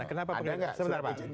nah kenapa penggeledahan